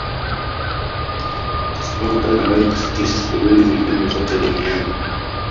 soka linaweza kusitisha shughuli zingine zote duniani